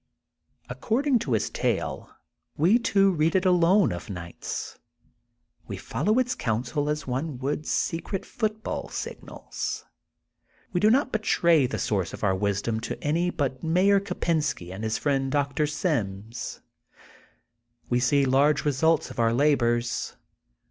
According to his tale, we two read it alone of nights. We follow its counsel as one would secret foot ball signals. We do not betray the source of our wisdom to any but Mayor Ko pensky and his friend Dr. Sims. We see large results of our labors.